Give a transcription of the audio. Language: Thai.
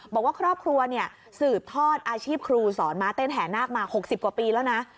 บอกว่าครอบครัวเนี่ยสืบทอดอาชีพครูสอนม้าเต้นแห่นาคมา๖๐กว่าปีแล้วนะ